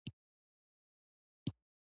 سانتیاګو په کلیسا کې خزانه مومي.